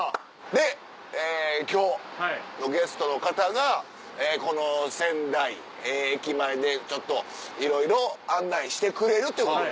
で今日のゲストの方がこの仙台駅前でちょっといろいろ案内してくれるということで。